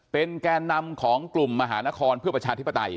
เป็นแก่นำของกลุ่มมหานครเพื่อประชาธิปไตย